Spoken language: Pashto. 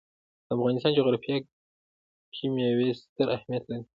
د افغانستان جغرافیه کې مېوې ستر اهمیت لري.